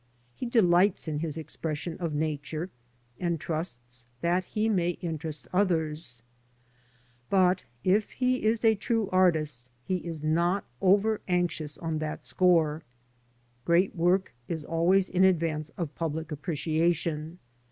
He delights in his expression pf Nature, and trusts that he may interest others; but if he is a true artist he is not over anxious on that score. Great work is always in advance of public appreciation.